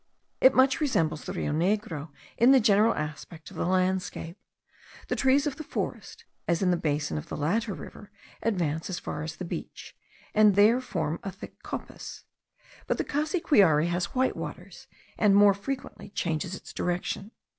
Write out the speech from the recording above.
It much resembles the Rio Negro in the general aspect of the landscape. The trees of the forest, as in the basin of the latter river, advance as far as the beach, and there form a thick coppice; but the Cassiquiare has white waters, and more frequently changes its direction.